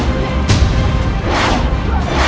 tidak ada gunanya